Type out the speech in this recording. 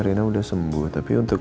tapi ini pas pelan untuk